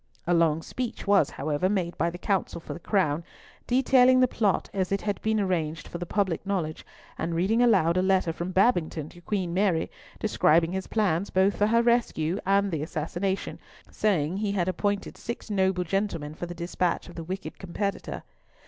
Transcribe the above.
A long speech was, however, made by the counsel for the Crown, detailing the plot as it had been arranged for the public knowledge, and reading aloud a letter from Babington to Queen Mary, describing his plans both for her rescue and the assassination, saying, "he had appointed six noble gentlemen for the despatch of the wicked competitor."